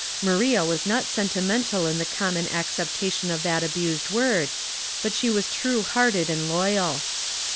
Maria was not sentimental in the common acceptation of that abused word, but she was true hearted and loyal.